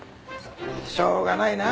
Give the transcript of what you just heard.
しょうがないな。